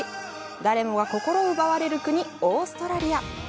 誰もが心奪われる国オーストラリア。